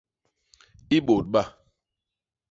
I bôt ba.